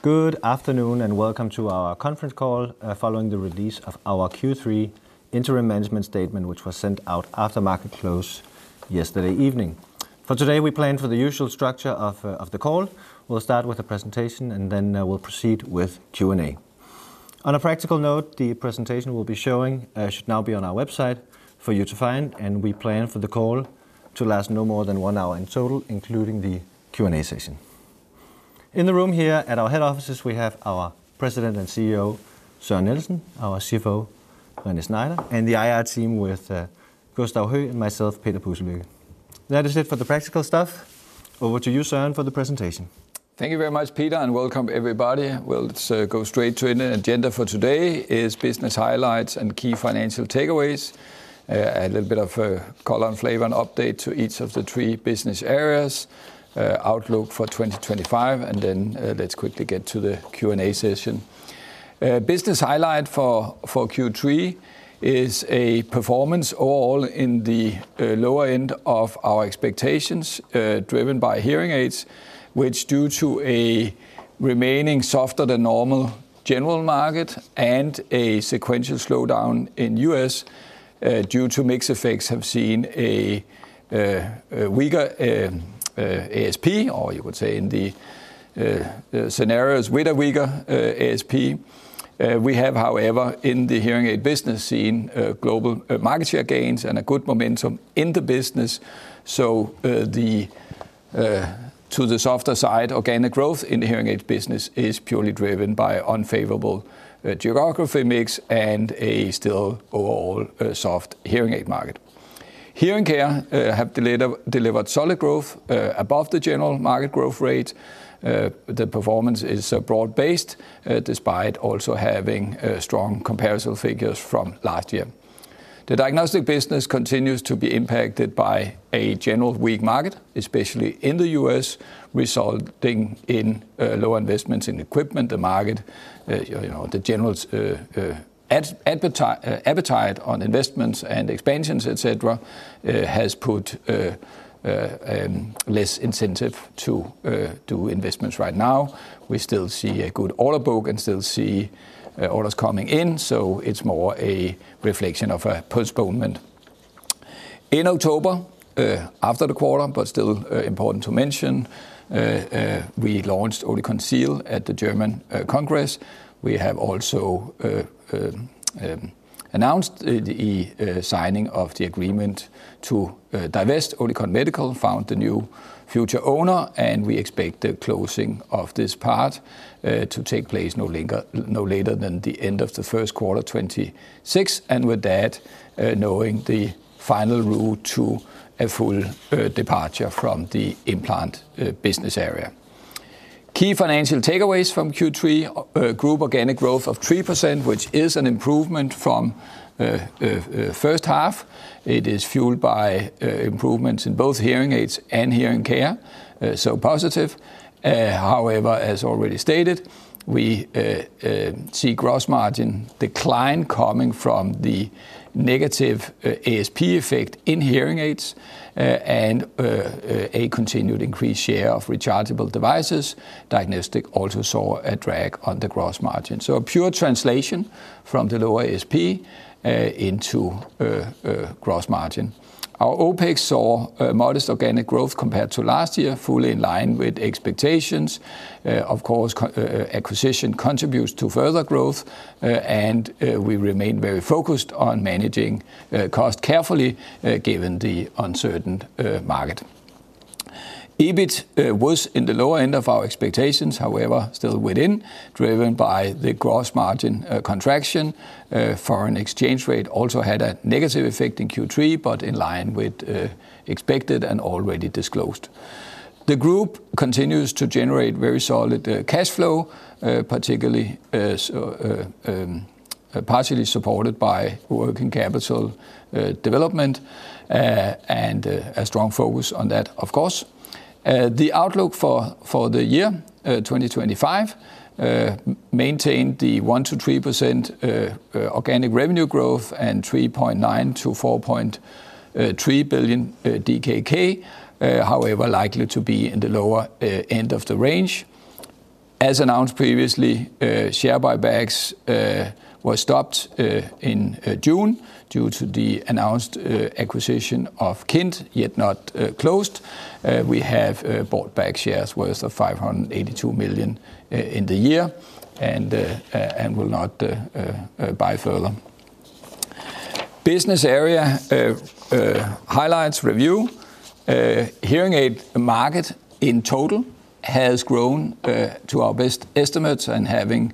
Good afternoon and welcome to our conference call following the release of our Q3 Interim Management Statement which was sent out after market close yesterday evening. For today we plan for the usual structure of the call. We'll start with the presentation and then we'll proceed with Q&A. On a practical note, the presentation we'll be showing should now be on our website for you to find and we plan for the call to last no more than one hour in total, including the Q&A session. In the room here at our head offices we have our President and CEO Søren Nielsen, our CFO René Schneider, and the IR team with Gustav Høy and myself, Peter Püschel. That is it for the practical stuff. Over to you, Søren, for the presentation. Thank you very much Peter and welcome everybody. We'll go straight to an agenda for today is business highlights and key financial takeaways, a little bit of color and flavor and update to each of the three business areas, outlook for 2025, and then let's quickly get to the Q&A session. Business highlight for Q3 is a performance all in the lower end of our expectations driven by Hearing Aids, which due to a remaining softer than normal general market and a sequential slowdown in US due to mix effects, have seen a weaker ASP or you would say in the scenarios with a weaker ASP. We have, however, in the hearing aid business seen global Market Share gains and a good momentum in the business. To the softer side. Organic Growth in the hearing aid business is purely driven by unfavorable geography mix and a still overall soft hearing aid market. Hearing Care have delivered solid growth above the general market growth rate. The performance is broad based despite also having strong comparison figures from last year. The diagnostic business continues to be impacted by a general weak market especially in the US, resulting in lower investments in equipment. The market, you know, the general's appetite on investments and expansions, etc., has put less incentive to do investments. Right now we still see a good order book and still see orders coming in. It is more a reflection of a postponement in October after the quarter. It is still important to mention we launched Oticon Seal at the German Congress. We have also announced the signing of the agreement to divest Oticon Medical, found the new future owner, and we expect the closing of this part to take place no later than the end of the first quarter 2026, and with that, knowing the final route to a full departure from the Implant Business Area. Key financial takeaways from Q3: group Organic Growth of 3%, which is an improvement from the first half. It is fueled by improvements in both Hearing Aids and Hearing Care, so positive. However, as already stated, we Gross Margin decline coming from the negative ASP effect in Hearing Aids and a continued increased share of Rechargeable Devices. Diagnostics also saw a drag on Gross Margin, so a pure translation from the lower ASP Gross Margin. our OpEx saw modest Organic Growth compared to last year, fully in line with expectations. Of course acquisition contributes to further growth and we remain very focused on managing cost carefully given the uncertain market. EBIT was in the lower end of our expectations, however still within, driven by Gross Margin contraction. Foreign Exchange Rate also had a negative effect in Q3, but in line with expected and already disclosed, the group continues to generate very solid Cash Flow, particularly partially supported by Working Capital development and a strong focus on that. Of course the outlook for the year 2025 maintained the 1-3% organic revenue growth and 3.9-4.3 billion DKK, however likely to be in the lower end of the range. As announced previously, share buybacks was stopped in June due to the announced acquisition of Kind yet not closed. We have bought back shares worth 582 million in the year and will not buy further. Business Area Highlights Review. Hearing aid market in total has grown to our best estimates and having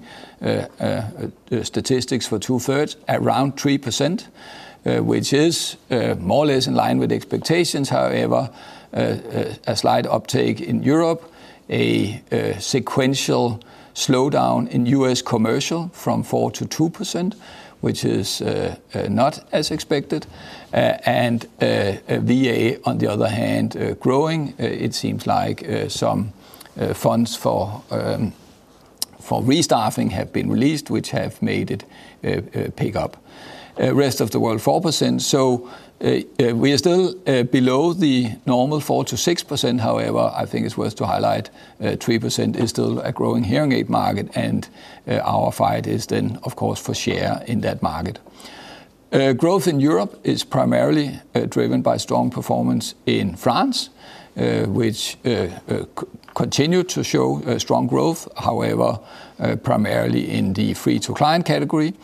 statistics for two-thirds around 3%, which is more or less in line with expectations. However, a slight uptake in Europe, a sequential slowdown in US Commercial from 4%-2%, which is not as expected, and VA on the other hand growing. It seems like some funds for restaffing have been released, which have made it pick up. Rest of the World 4%, so we are still below the normal 4-6%. However, I think it's worth to highlight 3% is still a growing hearing aid market and our fight is then of course for share in that market. Growth in Europe is primarily driven by strong performance in France, which continued to show strong growth, however primarily in the free to client category.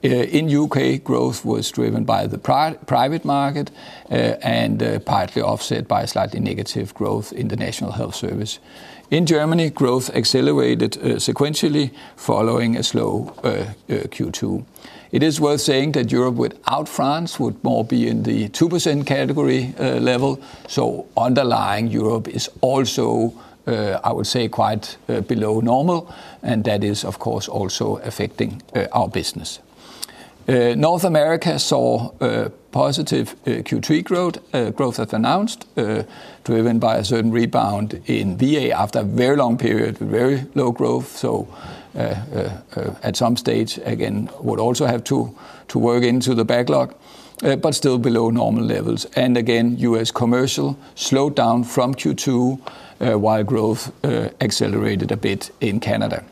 In the U.K., growth was driven by the private market and partly offset by slightly negative growth in the National Health Service. In Germany, growth accelerated sequentially following a slow Q2. It is worth saying that Europe without France would more be in the 2% category level. Underlying Europe is also, I would say, quite below normal, and that is of course also affecting our business. North America saw positive Q3 growth as announced, driven by a certain rebound in VA after a very long period with very low growth. At some stage, again, we would also have to work into the backlog, but still below normal levels. U.S. commercial slowed down from Q2 while growth accelerated a bit in Canada.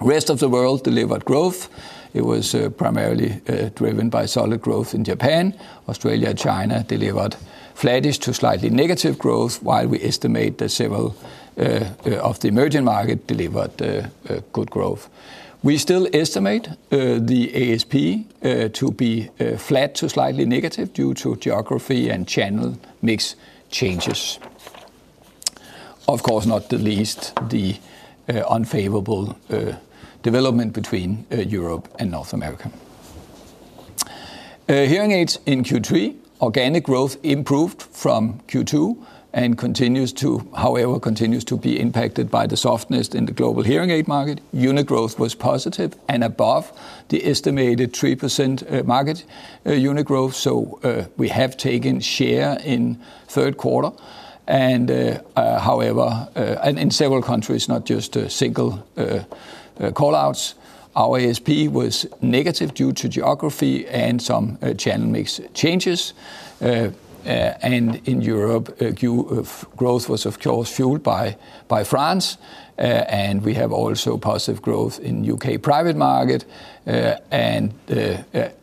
Rest of the World delivered growth. It was primarily driven by solid growth in Japan and Australia. China delivered flattish to slightly negative growth. While we estimate that several of the Emerging Markets delivered good growth, we still estimate the ASP to be flat to slightly negative due to Geography and Channel Mix changes. Of course, not the least the unfavorable development between Europe and North America Hearing Aids. In Q3, Organic Growth improved from Q2 and continues to be impacted by the softness in the global hearing aid market. Unit growth was positive and above the estimated 3% market unit growth. We have taken share in third quarter in several countries, not just single call outs. Our ASP was negative due to Geography and some Channel Mix changes. In Europe, growth was of course fueled by France. We have also positive growth in the U.K. private market and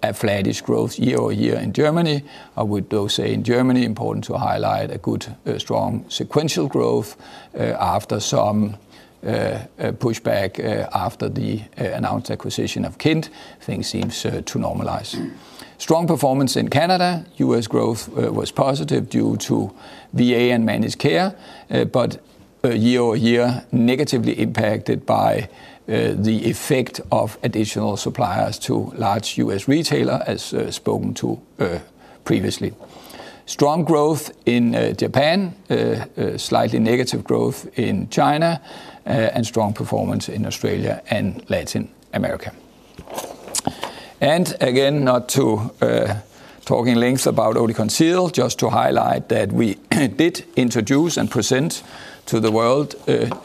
a flattish growth year over year in Germany. I would say in Germany, important to highlight a good strong sequential growth after some pushback after the announced acquisition of Kind. Things seem to normalize, strong performance. In Canada, U.S. growth was positive due to VA and Managed Care but year over year negatively impacted by the effect of additional suppliers to a large U.S. retailer. As spoken to previously, strong growth in Japan, slightly negative growth in China, and strong performance in Australia and Latin America. Again, not to talk in length about Oticon Seal, just to highlight that we did introduce and present to the world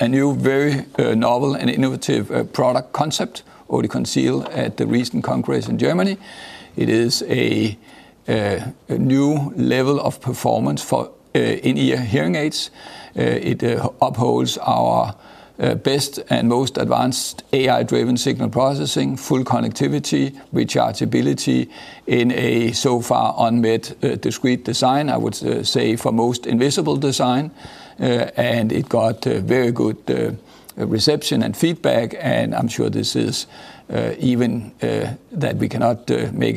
a new very novel and innovative product concept, Oticon Seal, at the recent congress in Germany. It is a new level of performance for in-ear Hearing Aids. It upholds our best and most advanced AI-Driven Signal Processing, full Connectivity, and Rechargeability in a so far unmet discrete design. I would say for most invisible design. It got very good reception and feedback. I'm sure this, even that we cannot make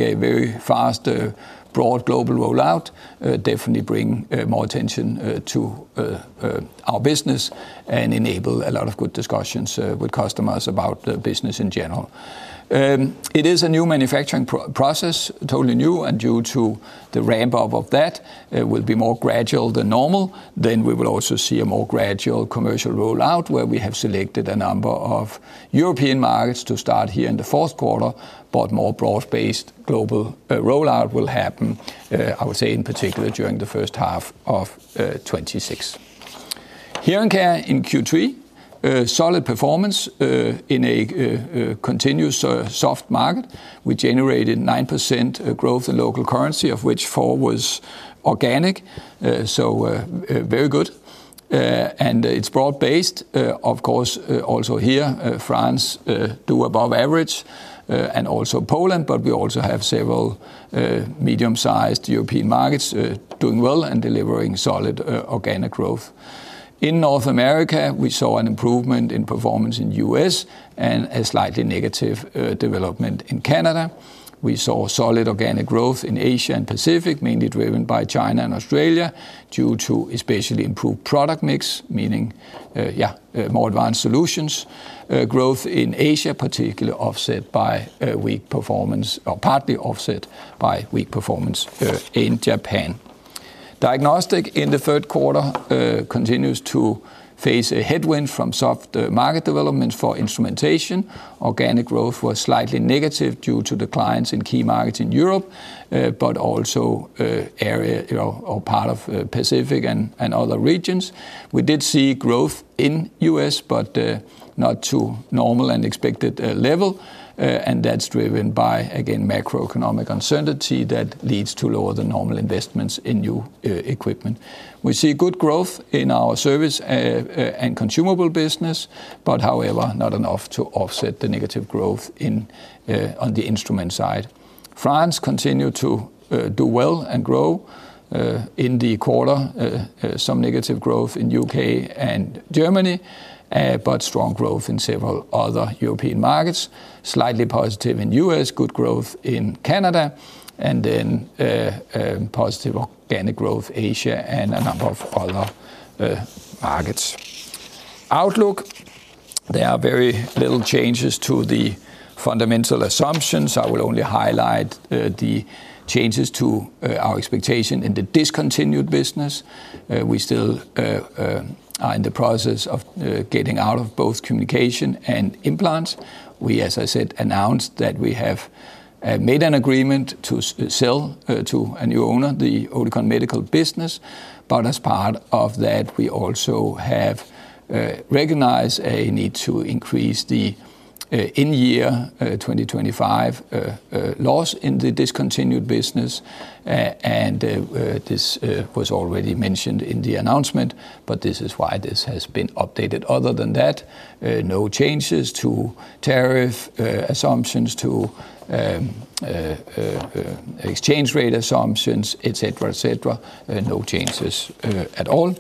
a very fast broad global rollout, will definitely bring more attention to our business and enable a lot of good discussions with customers about business in general. It is a new manufacturing process, totally new, and due to the ramp-up of that, it will be more gradual than normal. We will also see a more gradual commercial rollout where we have selected a number of European Markets to start here in the fourth quarter. A more broad based global rollout will happen, I would say, in particular during 1H26. Here in care, in Q3, solid performance in a continuous soft market, we generated 9% growth in local currency, of which 4% was organic. So very good, and it's broad based. Of course, also here, France did above average and also Poland, but we also have several medium sized European Markets doing well and delivering solid Organic Growth. In North America, we saw an improvement in performance in the US and a slightly negative development in Canada. We saw solid Organic Growth in Asia and Pacific, mainly driven by China and Australia due to especially improved product mix, meaning more advanced solutions. Growth in Asia was particularly offset by weak performance, or partly offset by weak performance, in Japan. Diagnostic in the third quarter continues to face a headwind from soft market development for instrumentation. Organic Growth was slightly negative due to declines in key markets in Europe but also part of Pacific and other regions. We did see growth in the U.S. but not to normal and expected level and that's driven by again macroeconomic uncertainty that leads to lower than normal investments in new equipment. We see good growth in our service and consumable business, but however not enough to offset the negative growth on the instrument side. France continued to do well and grow in the quarter, some negative growth in the U.K. and Germany but strong growth in several other European Markets, slightly positive in the U.S., good growth in Canada and then positive Organic Growth, Asia and a number of other Outlook. There are very little changes to the fundamental assumptions. I will only highlight the changes to our expectation in the discontinued business. We still are in the process of getting out of both communication and implants. We, as I said, announced that we have made an agreement to sell to a new owner, the Oticon Medical business, but as part of that we also have recognized a need to increase the in year 2025 loss in the discontinued business and this was already mentioned in the announcement. This is why this has been updated. Other than that, no changes to tariff assumptions, to exchange rate assumptions, etc. No changes at all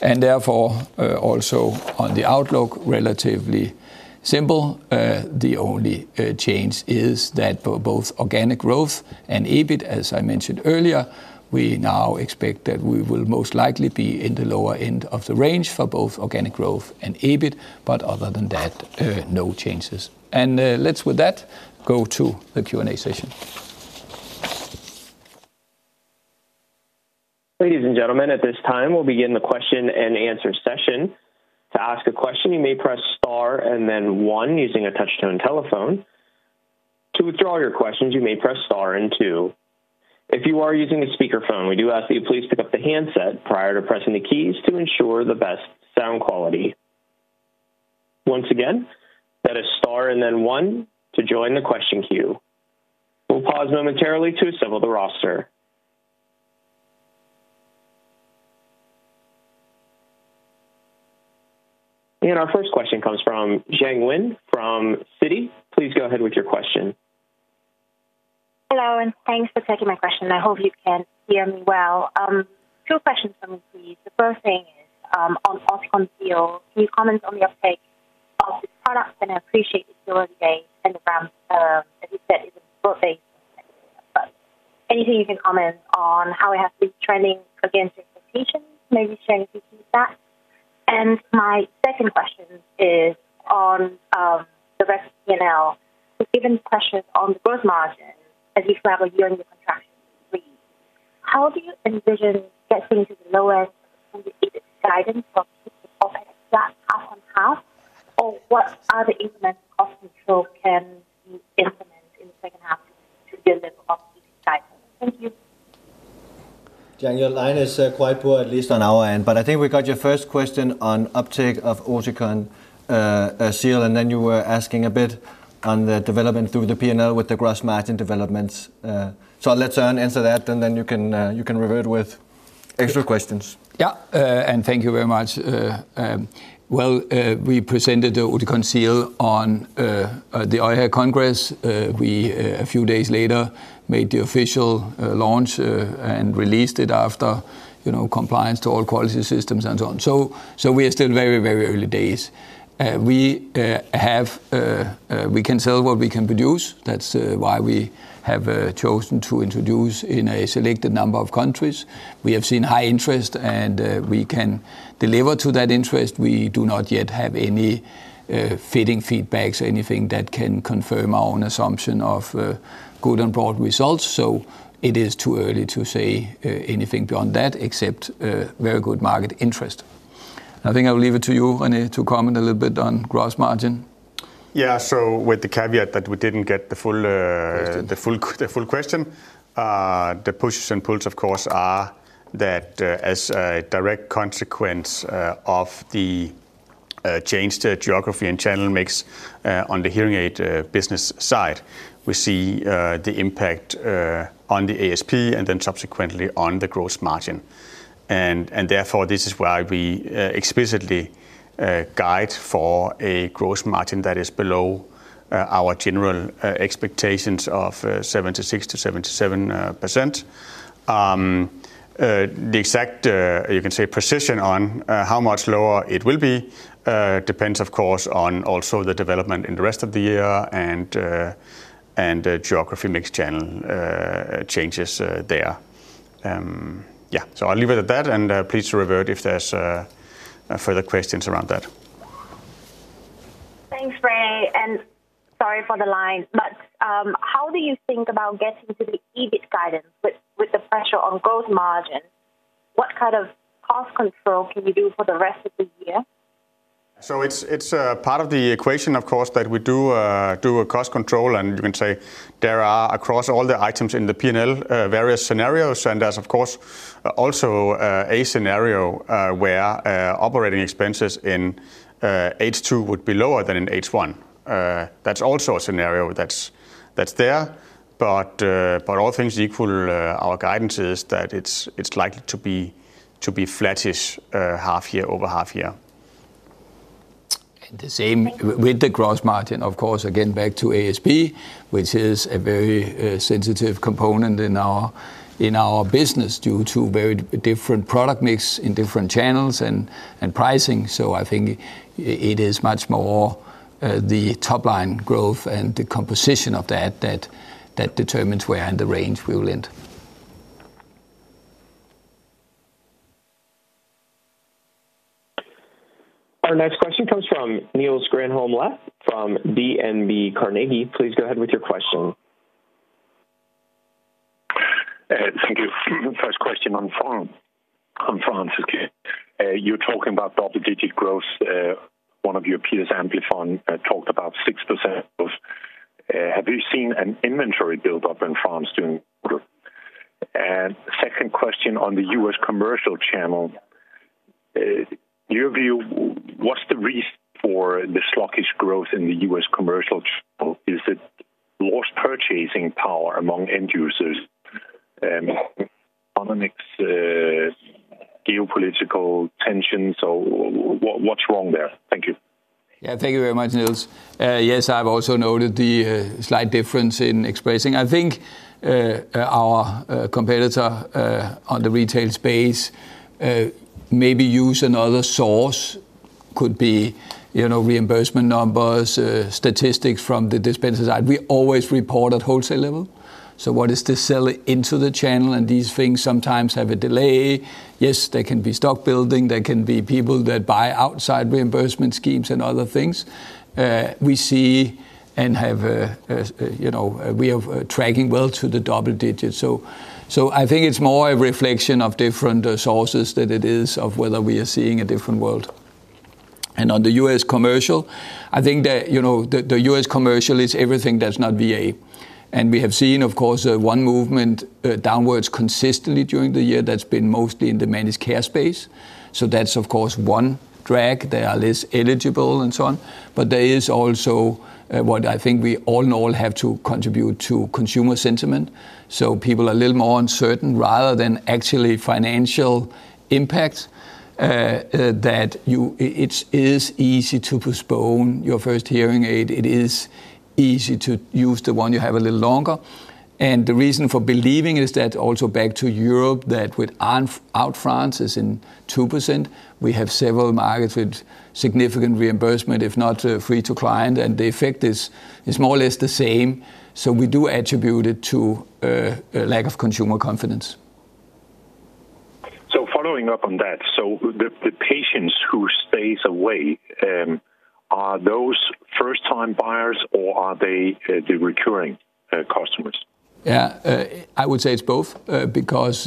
and therefore also on the outlook, relatively simple. The only change is that for both Organic Growth and EBIT, as I mentioned earlier, we now expect that we will most likely be in the lower end of the range for both Organic Growth and EBIT, but other than that no changes. Let's with that go to the Q&A session. Ladies and gentlemen, at this time we'll begin the question and answer session. To ask a question you may press star and then one using a touch tone telephone. To withdraw your questions you may press star and two. If you are using a speakerphone, we do ask that you please pick up the handset prior to pressing the keys to ensure the best sound quality. Once again, press star and then one to join the question queue. We'll pause momentarily to assemble the roster. Our first question comes from Jiang Wen from Citi. Please go ahead with your question. Hello and thanks for taking my question. I hope you can hear me well. Two questions for me please. The first thing is on Oticon Seal. Can you comment on the uptake of this product? I appreciate this and the ramp, as you said, is not broad based but anything you can comment on how it has been trending against expectations, maybe sharing a few feedback. My second question is on the rec P&L, given pressures on Gross Margin as you travel year in year contraction three, how do you envision getting to the low end guidance from half or what other implements of cost control can you implement in the second half to deliver? Thank you. Jiang, your line is quite poor, at least on our end. I think we got your first question on uptake of Oticon Seal and then you were asking a bit on the development through the P&L with Gross Margin developments. I'll let Søren answer that and then you can revert with extra questions. Yeah, thank you very much. We presented the Oticon Seal at the EUHA Congress. A few days later, we made the official launch and released it after, you know, compliance to all quality systems and so on. We are still very, very early days. We can sell what we can produce. That is why we have chosen to introduce in a selected number of countries. We have seen high interest and we can deliver to that interest. We do not yet have any fitting feedback or anything that can confirm our own assumption of good and broad results. It is too early to say anything beyond that, except very good market interest. I think I will leave it to you, René, to comment a little bit on Gross Margin. Yeah, so with the caveat that we did not get the full question, the pushes and pulls of course are that as a direct consequence of the changed Geography and Channel Mix on the hearing aid business side, we see the impact on the ASP and then subsequently on Gross Margin. therefore, this is why we explicitly guide for Gross Margin that is below our general expectations of 76-77%. The exact, you can say, precision on how much lower it will be depends of course on also the development in the rest of the year and geography. Mixed channel changes there. Yeah, so I will leave it at that and please revert if there are further questions around that. Thanks, René, and sorry for the line, but how do you think about getting to the EBIT guidance with the pressure Gross Margin? what kind of cost control can you do for the rest of the year? It is part of the equation of course that we do a cost control and you can say there are across all the items in the P&L various scenarios and there is of course also a scenario where operating expenses in H2 would be lower than in H1. That is also a scenario that is there. All things equal, our guidance is that it is likely to be flattish half year over half year. The same with Gross Margin, of course, again back to ASP, but which is a very sensitive component in our business due to very different product mix in different channels and pricing. I think it is much more the top line growth and the composition of that determines where in the range we will end. Our next question comes from Niels Granholm-Leth from DNB Carnegie. Please go ahead with your question. Thank you. First question on France, you're talking about double-digit growth. One of your peers, Amplifon, talked about 6%. Have you seen an inventory buildup in France during? Second question, on the U.S. commercial channel, your view, what's the reason for the sluggish growth in the U.S. commercial channel? Is it lost purchasing power among end users? Next, geopolitical tension. What's wrong there? Thank you. Yeah, thank you very much, Niels. Yes, I've also noted the slight difference in expressing, I think our competitor on the retail space maybe use another source, could be, you know, reimbursement numbers, statistics from the dispenser side. We always report at Wholesale level, so what is to sell into the channel. These things sometimes have a delay. Yes, there can be stock building. There can be people that buy outside reimbursement schemes and other things we see and have, you know, we are tracking well to the double digits. I think it's more a reflection of different sources than it is of whether we are seeing a different world. On the US commercial, I think that, you know, the US commercial is everything that's not VA, and we have seen, of course, one movement downwards consistently during the year that's been mostly in the Managed Care space. That's, of course, one drag. They are less eligible and so on. There is also what I think we all know has to contribute to consumer sentiment. People are a little more uncertain rather than actually financial impact, that it is easy to postpone your first hearing aid. It is easy to use the one you have a little longer. The reason for believing is that, also back to Europe, that without France, it is in 2%. We have several markets with significant reimbursement, if not free to client, and the effect is more or less the same. We do attribute it to lack of consumer confidence. Following up on that. So the patients who stay away, are those first-time buyers or are they the recurring customers? Yeah, I would say it's both because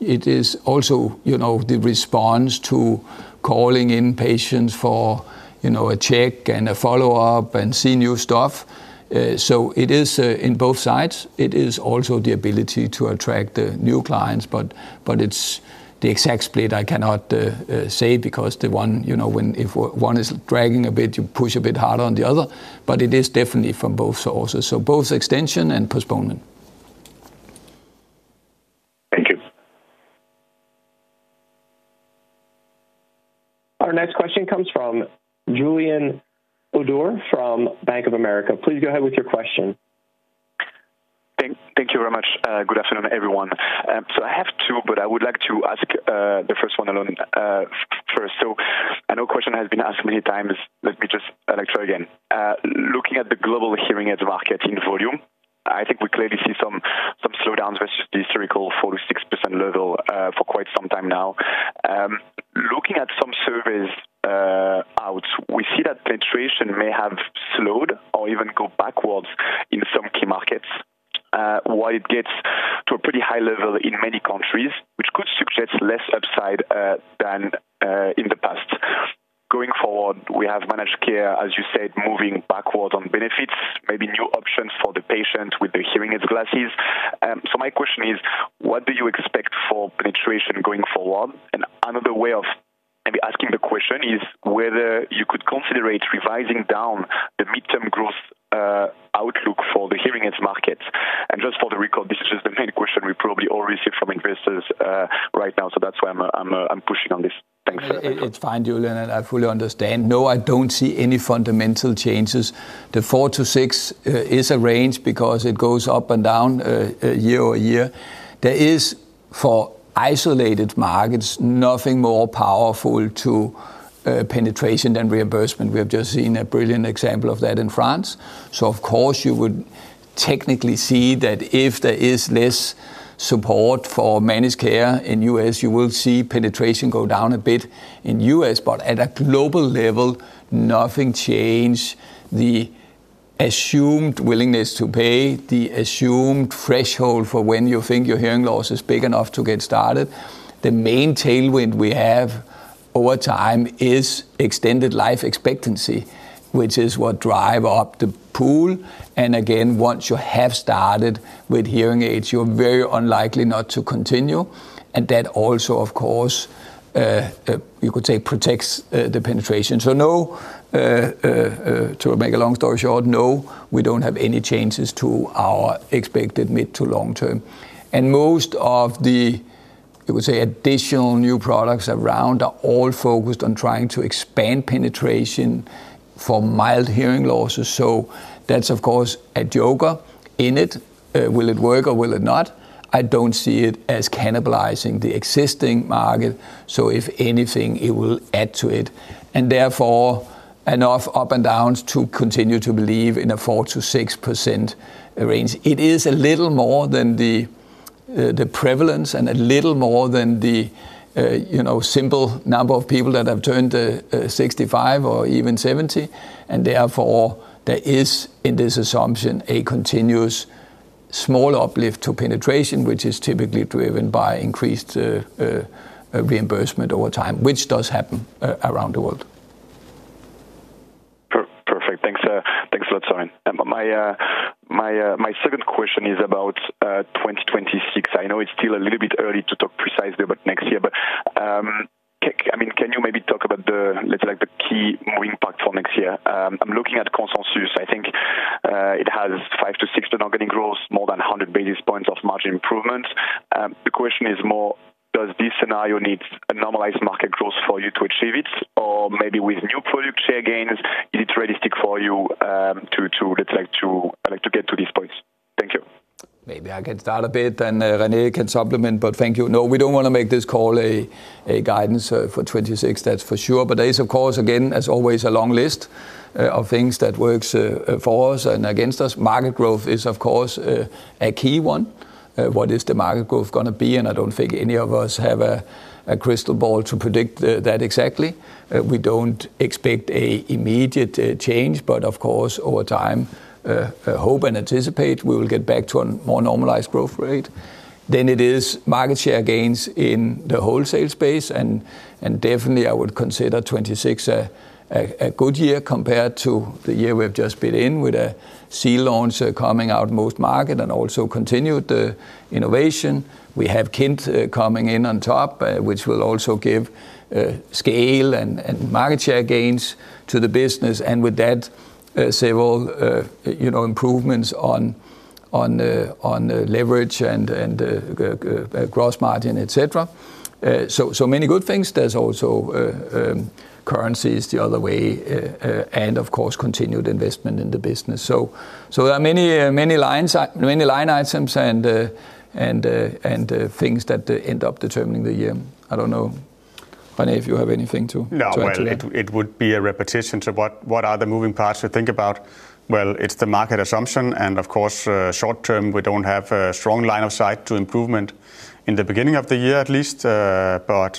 it is also, you know, the response to calling in patients for, you know, a check and a follow up and see new stuff. It is in both sides. It is also the ability to attract new clients. It's the exact split I cannot say because if one is dragging a bit, you push a bit harder on the other. It is definitely from both sources. Both extension and postponement. Thank you. Our next question comes from Julian Ouaddour from Bank of America. Please go ahead with your question. Thank you very much. Good afternoon everyone. I have two, but I would like to ask the first one alone first. I know a question has been asked many times. Let me just try again. Looking at the global Hearing Aids market in volume, I think we clearly see some slowdowns versus the historical 4-6% level for quite some time now. Looking at some surveys out, we see that penetration may have slowed or even gone backwards in some key markets. While it gets to a pretty high level in many countries, which could suggest less upside than in the past going forward we have Managed Care, as you said, moving backwards on benefits, maybe new options for the patient with the Hearing Aids glasses. My question is what do you expect for penetration going forward? Another way of maybe asking the question is whether you could consider revising down the midterm growth outlook for the Hearing Aids market. Just for the record, this is the main question we probably all receive from investors right now. That's why I'm pushing on this. Thanks. It's fine. Julian and I fully understand. No, I don't see any fundamental changes. The 4-6 is a range because it goes up and down year over year. There is for isolated markets nothing more powerful to penetration than reimbursement. We have just seen a brilliant example of that in France. Of course you would technically see that if there is less support for Managed Care in the US, you will see penetration go down a bit in the US but at a global level, nothing changes. The assumed willingness to pay, the assumed threshold for when you think your hearing loss is big enough to get started. The main tailwind we have over time is extended life expectancy, which is what drives up the pool. Once you have started with Hearing Aids, you're very unlikely not to continue. That also of course you could say protects the penetration. No, to make a long story short, no, we do not have any changes to our expected mid to long term and most of the additional new products around are all focused on trying to expand penetration for mild hearing losses. That is of course a joker in it. Will it work or will it not? I do not see it as cannibalizing the existing market, so if anything it will add to it and therefore enough up and downs to continue to believe in a 4-6%. It is a little more than the prevalence and a little more than the simple number of people that have turned 65 or even 70. Therefore there is in this assumption a continuous small uplift to penetration, which is typically driven by increased reimbursement over time, which does happen around the world. Perfect. Thanks a lot, Søren. My second question is about 2026. I know it's still a little bit early to talk precisely about next year, but I mean, can you maybe talk about the key moving part for next year? I'm looking at consensus. I think it has 5-6% Organic Growth, more than 100 basis points of margin improvement. The question is more, does this scenario need a normalized market growth for you to achieve it? Or maybe with new product share gains, is it realistic for you to get to this point? Thank you. Maybe I can start a bit and René can supplement, but thank you. No, we do not want to make this call a guidance for 2026, that is for sure. There is of course again as always a long list of things that works for us and against us. Market growth is of course a key one. What is the market growth going to be? I do not think any of us have a crystal ball to predict that exactly. We do not expect an immediate change but of course over time hope and anticipate we will get back to a more normalized growth rate. It is Market Share gains in the Wholesale space and definitely I would consider 2026 a good year compared to the year we have just been in with a Seal launch coming out most markets and also continued the innovation. We have Kind coming in on top, which will also give scale and Market Share gains to the business, and with that several improvements on leverage Gross Margin, etc. Many good things. There are also currencies the other way and of course continued investment in the business. There are many line items and things that end up determining the. I don't know if you have anything to. No, it would be a repetition to what. What are the moving parts to think about? It is the market assumption and of course short term we do not have a strong line of sight to improvement in the beginning of the year at least. Apart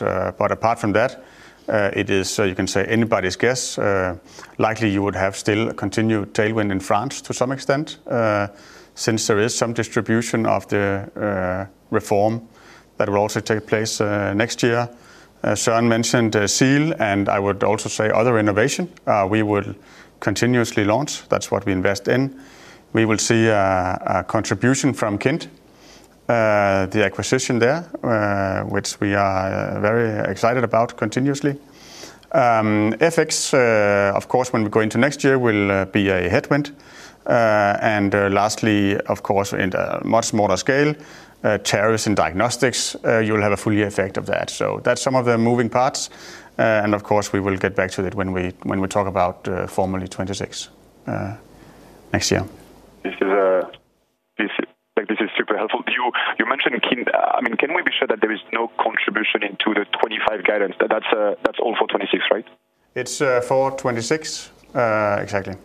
from that it is, you can say, anybody's guess. Likely you would have still a continued tailwind in France to some extent since there is some distribution of the reform that will also take place next year. Søren mentioned Seal and I would also say other innovation we would continuously launch. That is what we invest in. We will see a contribution from Kind, the acquisition there, which we are very excited about. Continuously, ethics of course when we go into next year will be a headwind, and lastly, of course, in much smaller scale, tariffs and Diagnostics, you'll have a full year effect of that. That's some of the moving parts, and of course we will get back to it when we, when we talk about formally 2026 next year. This is super helpful you mentioned. I mean, can we be sure that there is no contribution into the 2025 guidance? That's all for 2026, right? It's for 2026 exactly.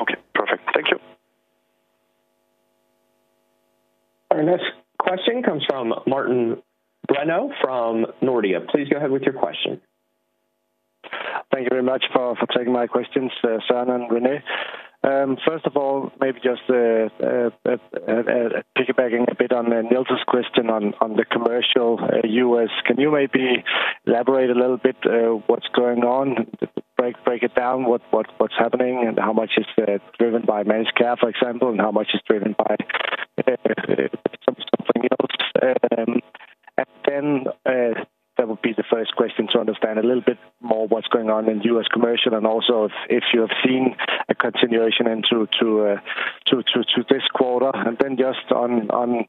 Okay, perfect. Thank you. Our next question comes from Martin Brenøe from Nordea. Please go ahead with your question. Thank you very much for taking my questions. Søren and René, first of all maybe just piggybacking a bit on Niels' question on the commercial U.S., can you maybe elaborate a little bit what's going on? Break it down, what's happening and how much is driven by Managed Care for and how much is driven by something else? That would be the first question, to understand a little bit more what's going on in US commercial, and also if you have seen a continuation into this quarter. Then just on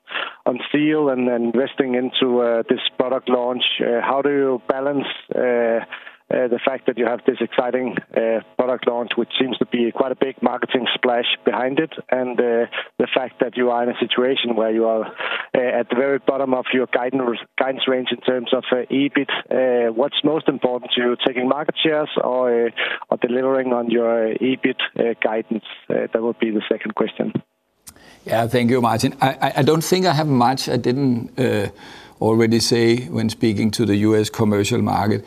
Seal and investing into this product launch, how do you balance the fact that you have this exciting product launch, which seems to be quite a big marketing splash behind it, and the fact that you are in a situation where you are at the very bottom of your guidance range in terms of EBIT? What's most important to you, taking Market Shares or delivering on your EBIT guidance? That would be the second question. Yeah, thank you, Martin. I don't think I have much I didn't already say when speaking to the US commercial market.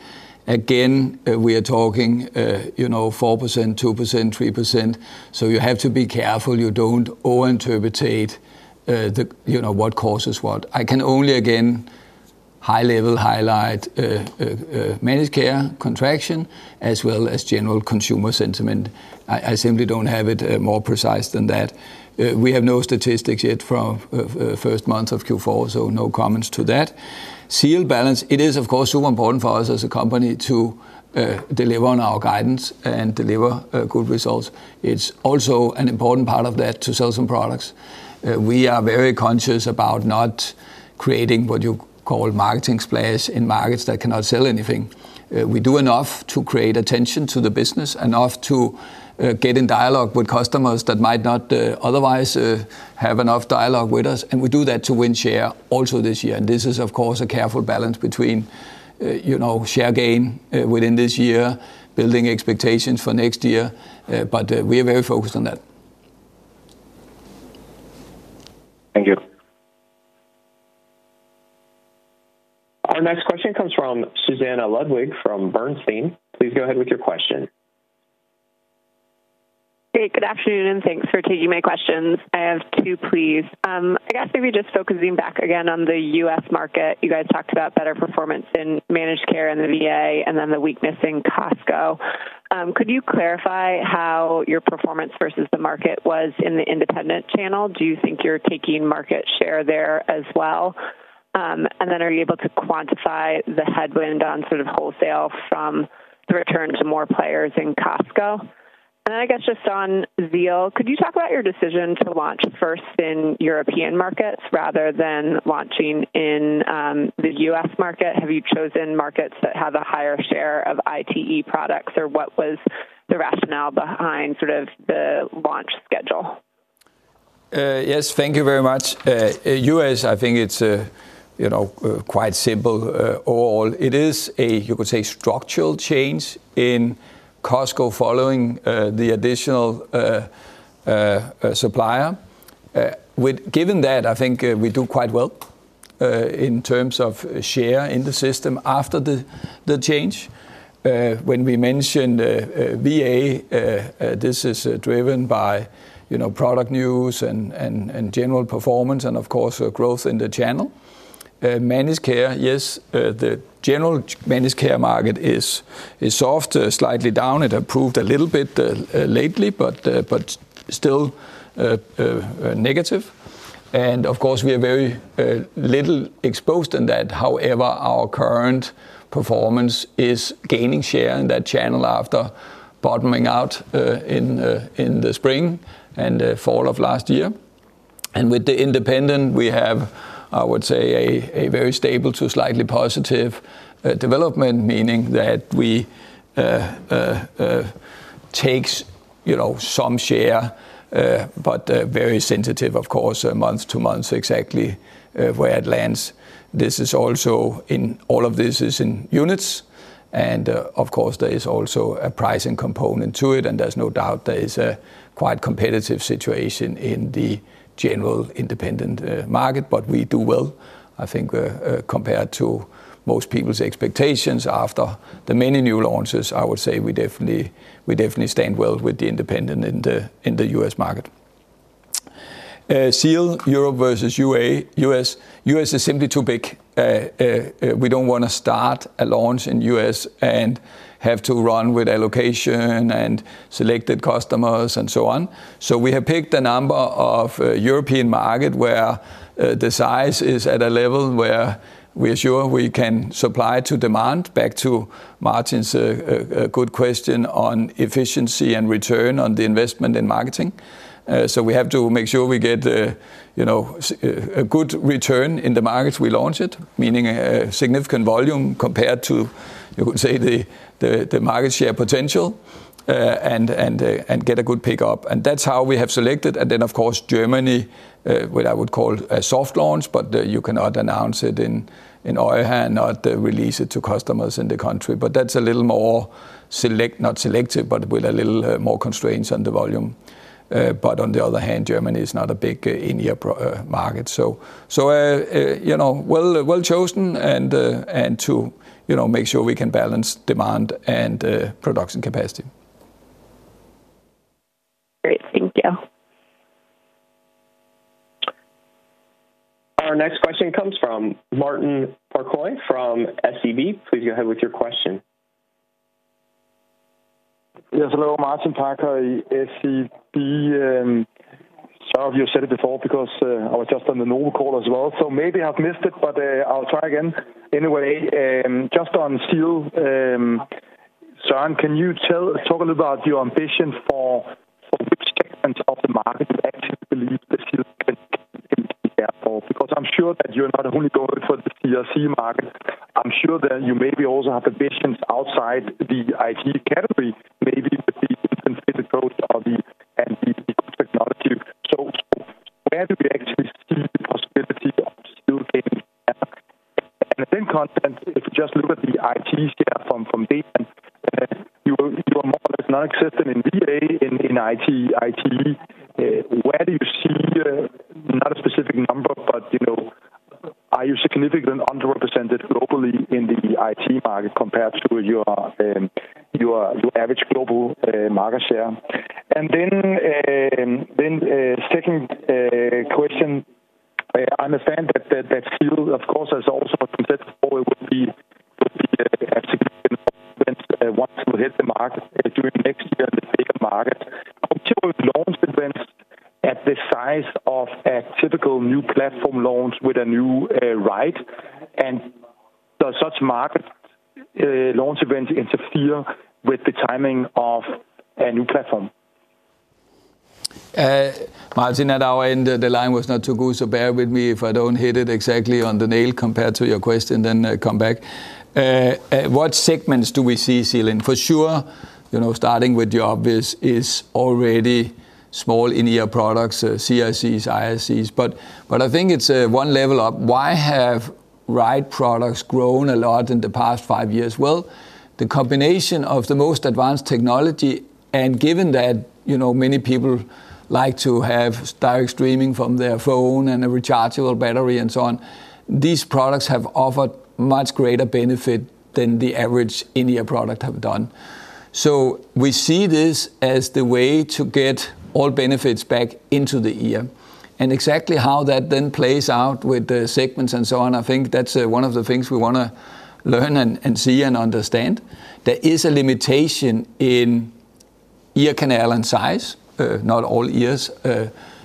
Again we are talking, you know, 4%, 2%, 3% so you have to be careful you don't overinterpretate what causes what. I can only again high level highlight Managed Care contraction as well as general consumer sentiment. I simply don't have it more precise than that. We have no statistics yet from first month of Q4, so no comments to that Seal balance. It is of course so important for us as a company to deliver on our guidance and deliver good results. It's also an important part of that to sell some products. We are very conscious about not creating what you call marketing splash in markets that cannot sell anything. We do enough to create attention to the business, enough to get in dialogue with customers that might not otherwise have enough dialogue with us. We do that to win share also this year. This is of course a careful balance between, you know, share gain within this year, building expectations for next year. We are very focused on that. Thank you. Our next question comes from Susannah Ludwig from Bernstein. Please go ahead with your question. Great. Good afternoon and thanks for taking my questions. I have two please. I guess maybe just focusing back again on the U.S. Market. You guys talked about better performance in Managed Care and the VA and then the weakness in Costco. Could you clarify how your performance versus the market was in the Independent Channel? Do you think you're taking Market Share there as well? Are you able to quantify the headwind on sort of Wholesale from the return to more players in Costco? I guess just on Seal, could you talk about your decision to launch first in European Markets rather than launching in the U.S. Market? Have you chosen markets that have a higher share of ITE Products or what was the rationale behind sort of the launch schedule? Yes, thank you very much. I think it's, you know, quite simple. All it is is a, you could say, structural change in Costco following the additional supplier. Given that, I think we do quite well in terms of share in the system after the change. When we mention VA, this is driven by, you know, product news and general performance and of course growth in the channel. Managed Care, yes, the general Managed Care market is soft, slightly down. It improved a little bit lately but still negative. Of course, we are very little exposed in that. However, our current performance is gaining share in that channel after bottoming out in the spring and fall of last year. With the independent, we have, I would say, a very stable to slightly positive development, meaning that we take, you know, some share but very sensitive, of course, month to month exactly where it lands. This is also in all of this is in units, and of course there is also a pricing component to it. There's no doubt there is a quite competitive situation in the general independent market, but we do well, I think, compared to most people's expectations after the many new launches. I would say we definitely, we definitely stand well with the independent in the U.S. Market. Seal Europe vs U.S. is simply too big. We do not want to start a launch in the U.S. and have to run with allocation and selected customers and so on. We have picked a number of European Markets where the size is at a level where we are sure we can supply to demand back to margins. A good question on efficiency and return on the investment in marketing. We have to make sure we get, you know, a good return in the markets we launch it, meaning significant volume compared to, you could say, the Market Share potential and get a good pickup. That is how we have selected. Then of course Germany, what I would call a soft launch, but you cannot announce it in oil and not release it to customers in the country. That is a little more, not selective, but with a little more constraints on the volume. On the other hand, Germany is not a big India market. You know, well chosen and to, you know, make sure we can balance demand and production capacity. Great, thank you. Our next question comes from Martin Parkhøi from SEB. Please go ahead with your question. Yes, hello, Martin Parkhøi, SEB. Some of you said it before because I was just on the normal call as well, so maybe I've missed it, but I'll try again anyway. Just on Seal, Søren, can you talk a little about your ambition for which segments of the market you actually believe? Because I'm sure that you're not only going for the CIC market. I'm sure that you maybe also have ambitions outside the ITE category, maybe with the different physical and the technology. Where do we actually see the possibility of Seal gaining and within content? If you just look at the ITE scale from data and you are more or less non-existent in VA in ITE, where do you see, not a specific number, but you know, are you significantly underrepresented globally in the ITE market compared to your average global Market Share? Then second question. I understand that fuel, of course, as also it would be once we hit the market during next year in the bigger market launch events at the size of a typical new platform launch with a new RITE, and does such market launch events interfere with the timing of a new platform? Martin, at our end the line was not to go. So bear with me if I don't hit it exactly on the nail compared to your question then come back. What segments do we see ceiling for sure starting with the obvious is already small in-ear products, CICs, IICs. I think it's one level up. Why have RITE products grown a lot in the past five years? The combination of the most advanced technology and given that many people like to have direct streaming from their phone and a rechargeable battery and so on, these products have offered much greater benefit than the average in-ear product have done. We see this as the way to get all benefits back into the ear and exactly how that then plays out with the segments and so on. I think that's one of the things we want to learn and see and understand. There is a limitation in ear canal and size. Not all ears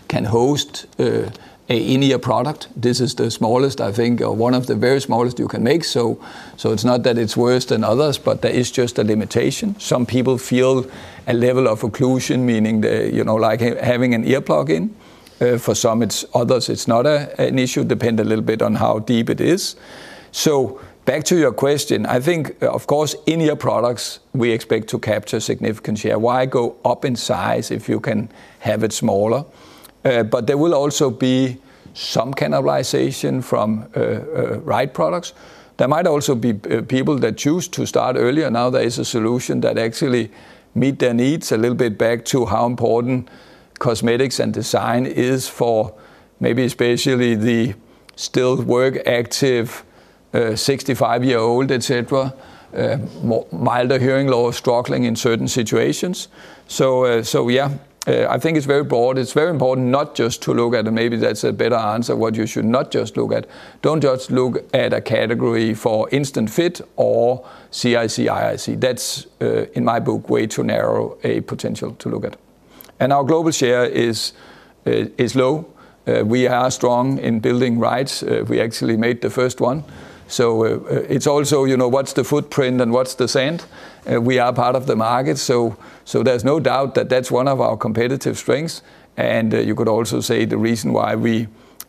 can host an in-ear product. This is the smallest, I think one of the very smallest you can make. It is not that it is worse than others, but there is just a limitation. Some people feel a level of occlusion, meaning like having an ear plug in. For some others it is not an issue. Depends a little bit on how deep it is. Back to your question. I think of course in-ear products we expect to capture significant share. Why go up in size if you can have it smaller? There will also be some cannibalization from RITE products. There might also be people that choose to start earlier. Now there is a solution that actually meets their needs, a little bit back to how important cosmetics and design is for maybe especially the still work active, 65-year-old, et cetera, milder hearing, lower, struggling in certain situations. Yeah, I think it is very broad. It is very important not just to look at, and maybe that is a better answer. What you should not just look at. Do not just look at a category for Instant Fit or CIC, IIC, that is in my book way too narrow a potential to look at, and our global share is low. We are strong in building rights. We actually made the first one. It is also, you know, what is the footprint and what is the sand. We are part of the market. There is no doubt that that is one of our competitive strengths. You could also say the reason why we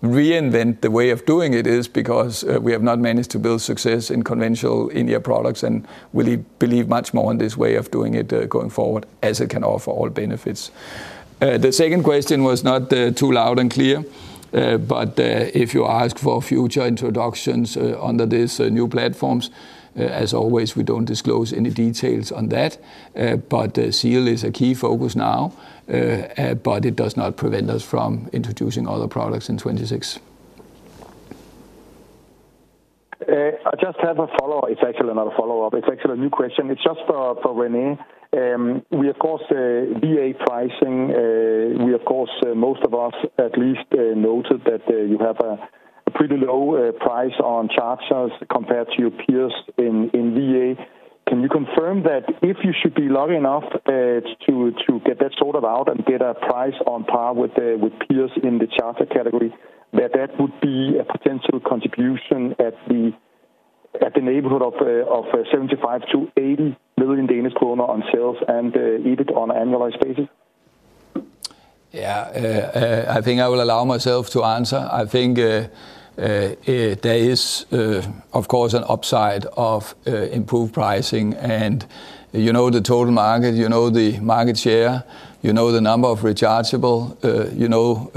reinvent the way of doing it is because we have not managed to build success in conventional ITE Products and really believe much more in this way of doing it going forward as it can offer all benefits. The second question was not too loud and clear, but if you ask for future introductions under these new platforms, as always we do not disclose any details on that but Seal is a key focus now but it does not prevent us from introducing other products in 2026. I just have a follow-up. It's actually another follow-up. It's actually a new question. It's just for René. We, of course, VA pricing, we, of course, most of us at least noted that you have a pretty low price on charters compared to your peers in VA. Can you confirm that? If you should be lucky enough to get that sorted out and get a price on par with peers in the charter category, that that would be a potential contribution in the neighborhood of 75 million-80 million Danish kroner on sales and EBITDA on an annualized basis. Yeah, I think I will allow myself to answer. I think there is of course an upside of improved pricing and you know the total market, you know the Market Share, you know the number of rechargeable, you know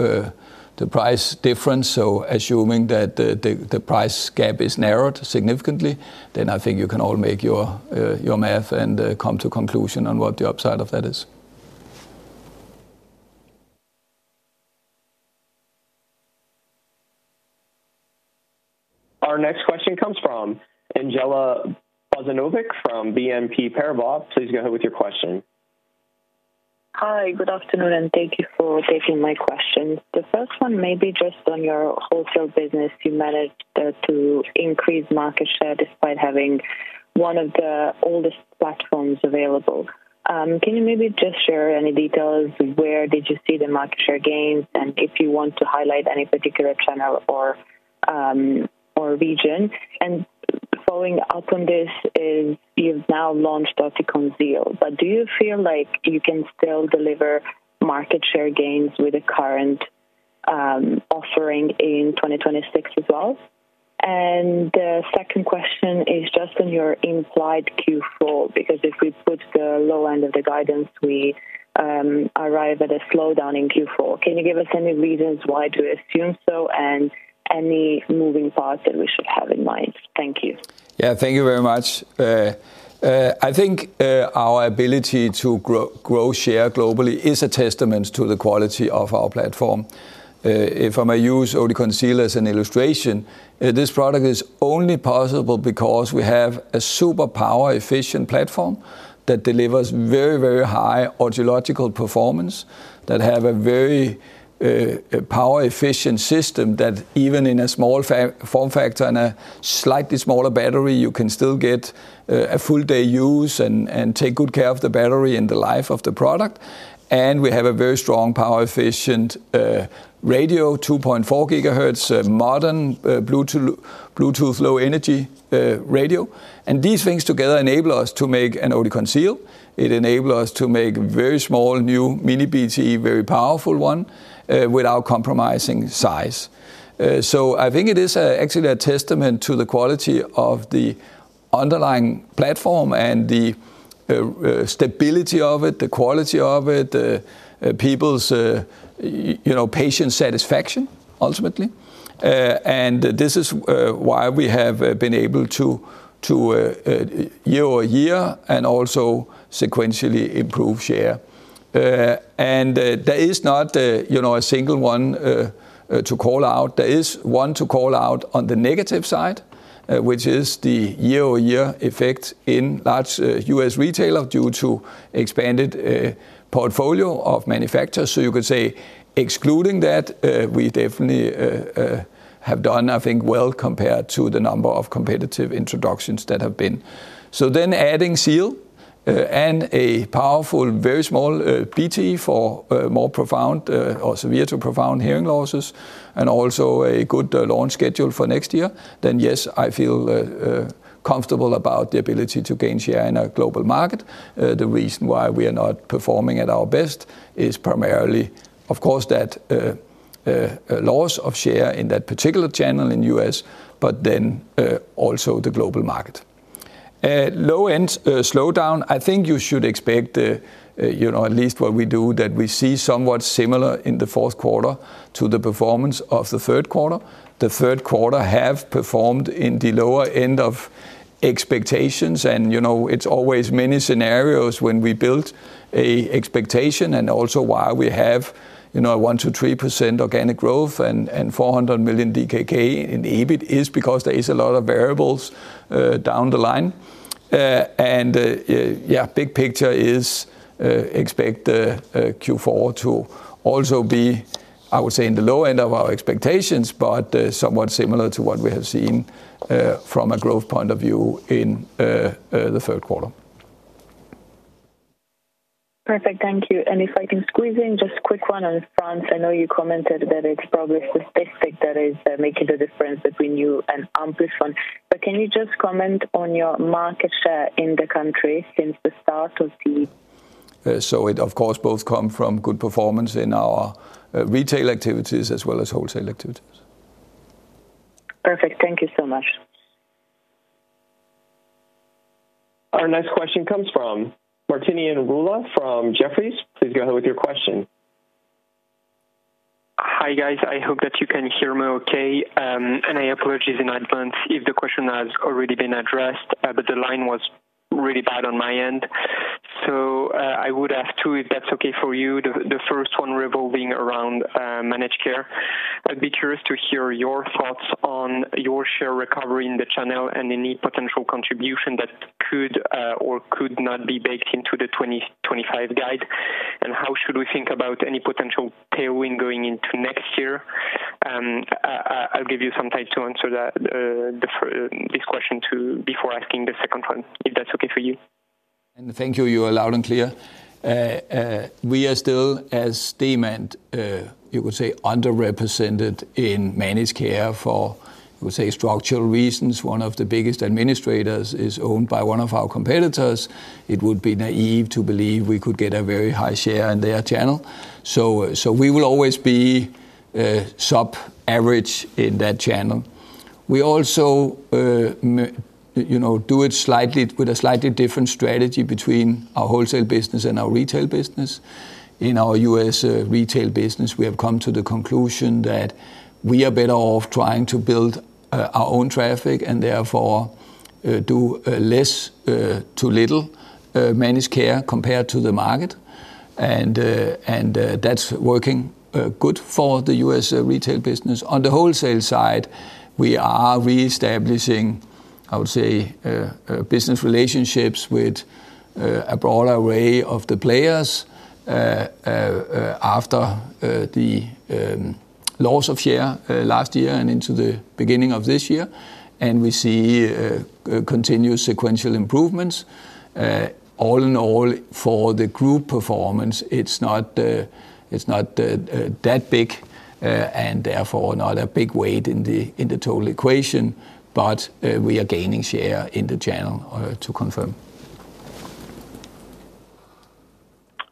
the price difference. Assuming that the price gap is narrowed significantly, then I think you can all make your math and come to conclusion on what the upside of that is. Our next question comes from Andjela Bozinovic from BNP Paribas. Please go ahead with your question. Hi, good afternoon and thank you for taking my questions. The first one may be just on your Wholesale business, you managed to increase Market Share despite having one of the oldest platforms available. Can you maybe just share any details? Where did you see the Market Share gains? If you want to highlight any particular channel or region. Following up on this is you've now launched Oticon Seal, but do you feel like you can still deliver Market Share gains with the current offering in 2026 as well? The second question is just on your implied Q4 because if we put the low end guidance we arrive at a slowdown in Q4. Can you give us any reasons why to assume so and any moving parts that we should have in mind? Thank you. Yeah, thank you very much. I think our ability to grow share globally is a testament to the quality of our platform. If I may use Oticon Seal as an illustration, this product is only possible because we have a super power-efficient platform that delivers very, very high audiological performance that has a very power-efficient system that even in a small form factor and a slightly smaller battery, you can still get a full day use and take good care of the battery and the life of the product. We have a very strong power-efficient radio, 2.4 GHz, modern Bluetooth low energy radio, and these things together enable us to make an Oticon Seal. It enables us to make very small new mini BTE, very powerful one without compromising size. I think it is actually a testament to the quality of the underlying platform and the stability of it, the quality of it, people's, you know, patient satisfaction ultimately. This is why we have been able to year over year and also sequentially improve share. There is not a single one to call out. There is one to call out on the negative side, which is the year over year effect in a large US retailer due to expanded portfolio of manufacturers. You could say excluding that, we definitely have done, I think, well compared to the number of competitive introductions that have been. Then adding Seal and a powerful, very small BTE for more profound or severe to profound hearing losses and also a good launch schedule for next year, yes, I feel comfortable about the ability to gain share in a global market. The reason why we are not performing at our best is primarily of course that loss of share in that particular channel in the U.S., but then also the global market low end slowdown. I think you should expect, you know, at least what we do, that we see somewhat similar in the fourth quarter to the performance of the third quarter. The third quarter have performed in the lower end of expectations and you know it's always many scenarios when we build a expectation and also why we have you know 1-3% Organic Growth and 400 million DKK in EBIT is because there is a lot of variables down the line and yeah big picture is expect Q4 to also be I would say in the low end of our expectations but somewhat similar to what we have seen from a growth point of view in the third quarter. Perfect, thank you. If I can squeeze in just a quick one on France, I know you commented that it's probably statistic that is making the difference between you and Amplifon, but can you just comment on your Market Share in the country since. The start of the, so it of. course both come from good performance in our retail activities as well as Wholesale activities. Perfect. Thank you so much. Our next question comes from Martinien Rula from Jefferies. Please go ahead with your question. Hi guys, I hope that you can hear me okay and I apologize in advance if the question has already been addressed but the line was really bad on my end so I would ask two if that's okay for you. The first one revolving around Managed Care. I'd be curious to hear your thoughts on your share recovery in the channel and any potential contribution that could or could not be baked into the 2025 guide. And how should we think about any potential tailwind going into next year? I'll give you some time to answer this question before asking the second one if that's okay for you and thank you. You are loud and clear. We are still, as Demant, you could say, underrepresented in Managed Care for structural reasons. One of the biggest administrators is owned by one of our competitors. It would be naive to believe we could get a very high share in their channel. We will always be sub average in that channel. We also do it with a slightly different strategy between our Wholesale Business and our Retail Business. In our U.S. Retail Business, we have come to the conclusion that we are better off trying to build our own traffic and therefore do less to little Managed Care compared to the market. That is working good for the U.S. Retail Business. On the Wholesale side we are re-establishing, I would say, business relationships with a broad array of the players after the loss of share last year and into the beginning of this year. We see continuous sequential improvements. All in all, for the group performance, it's not that big and therefore not a big weight in the total equation. We are gaining share in the channel to confirm.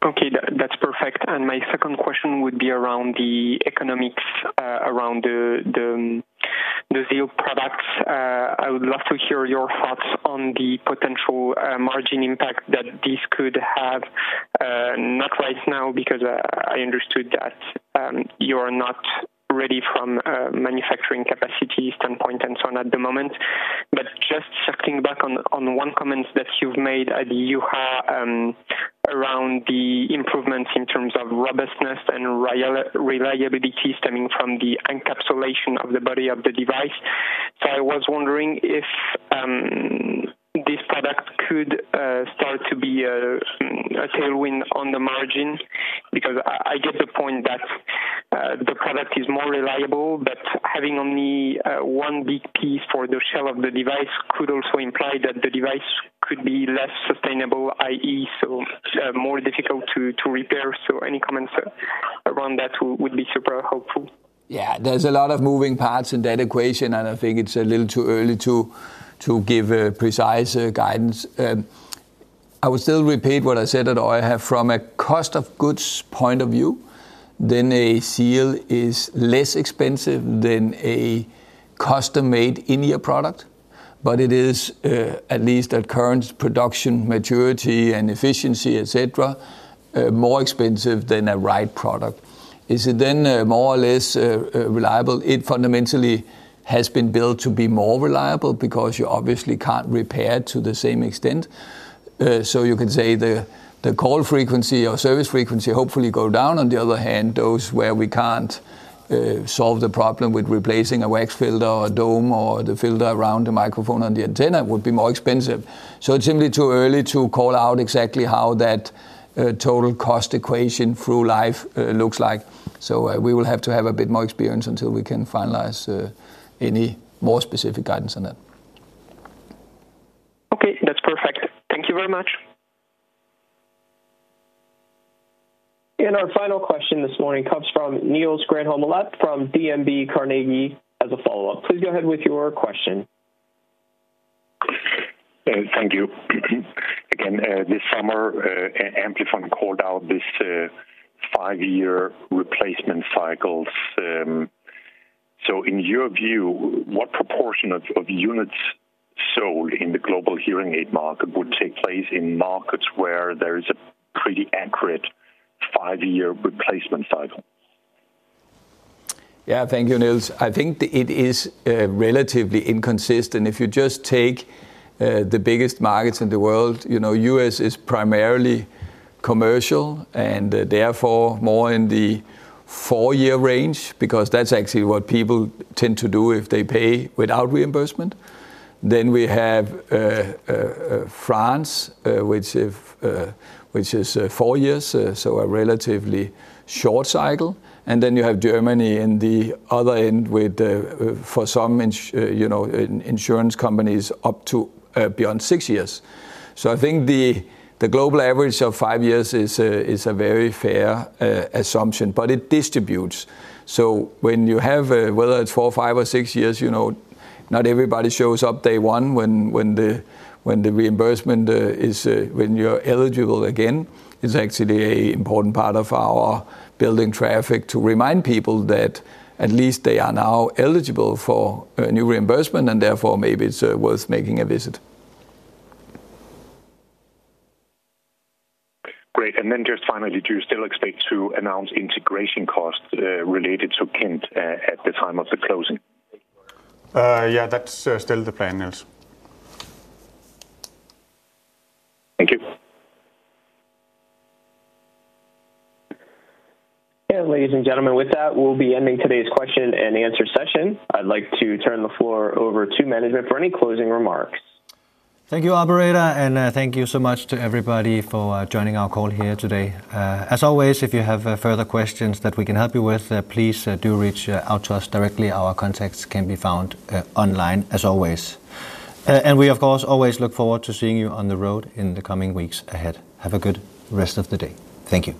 Okay, that's perfect. My second question would be around the economics around the Zio Products. I would love to hear your thoughts on the potential margin impact that this could have. Not right now because I understood that you are not ready from a manufacturing capacity standpoint and so on at the moment. Just circling back on one comment that you made at EUHA around the improvements in terms of robustness and reliability stemming from the encapsulation of the body of the device. I was wondering if this product could start to be a tailwind on the margin because I get the point that the product is more reliable, but having only one big piece for the shell of the device could also imply that the device could be less sustainable, that is, more difficult to repair. Any comments around that would be super helpful. Yeah, there's a lot of moving parts in that equation and I think it's a little too early to give precise guidance. I would still repeat what I said at EUHA. From a cost of goods point of view then, a Seal is less expensive than a custom made in-the-ear product, but it is, at least at current production maturity and efficiency, etc., more expensive than a RITE product. Is it then more or less reliable? It fundamentally has been built to be more reliable because you obviously can't repair to the same extent. You could say the call frequency or service frequency hopefully goes down. On the other hand, those where we can't solve the problem with replacing a wax filter or dome or the filter around the microphone on the antenna would be more expensive. It's simply too early to call out exactly how that total cost equation through life looks like. We will have to have a bit more experience until we can finalize any more specific guidance on that. Okay, that's perfect. Thank you very much. Our final question this morning comes from Niels Granholm-Leth from DNB Carnegie. As a follow-up, please go ahead with your question. Thank you again. This summer Amplifon called out this five year replacement cycles. In your view, what proportion of units sold in the global hearing aid market would take place in markets where there is a pretty accurate five year replacement cycle? Yeah, thank you, Niels. I think it is relatively inconsistent if you just take the biggest markets in the world. You know, US is primarily commercial and therefore more in the four year range because that's actually what people tend to do if they pay without reimbursement. You have France, which is four years, so a relatively short cycle. You have Germany in the other end with, for some, you know, insurance companies up to beyond six years. I think the global average of five years is a very fair assumption. It distributes. When you have, whether it's four, five or six years, not everybody shows up. Day one, when the reimbursement is when you're eligible again, it's actually an important part of our building traffic to remind people that at least they are now eligible for new reimbursement and therefore maybe it's worth making a visit. Great. And then just finally, do you still expect to announce integration costs related to Kind at the time of the closing? Yeah, that's still the plan, Niels. Thank you. Ladies and gentlemen. With that, we'll be ending today's question and answer session. I'd like to turn the floor over to management for any closing remarks. Thank you, operator. Thank you so much to everybody for joining our call here today. As always, if you have further questions that we can help you with, please do reach out to us directly. Our contacts can be found online as always. We of course always look forward to seeing you on the road in the coming weeks ahead. Have a good rest of the day. Thank you.